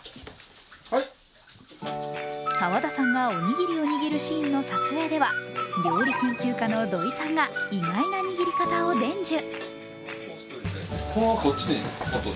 沢田さんがおにぎりを握るシーンの撮影では料理研究家の土井さんが意外な握り方を伝授。